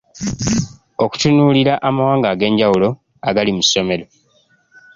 Okutunuulira amawanga ag’enjawulo agali mu ssomero.